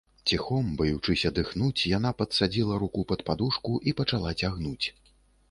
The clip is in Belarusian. Ціхом, баючыся дыхнуць, яна падсадзіла руку пад падушку і пачала цягнуць.